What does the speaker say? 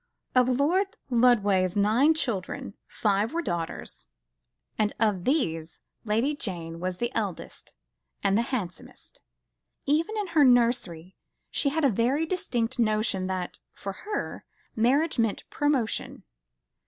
Of Lord Lodway's nine children, five were daughters, and of these Lady Jane was the eldest and the handsomest. Even in her nursery she had a very distinct notion that, for her, marriage meant promotion.